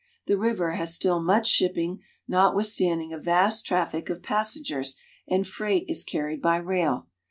The river has still much shipping, not withstanding a vast traffic of passen gers and freight is carried by rail.